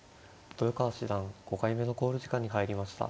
豊川七段５回目の考慮時間に入りました。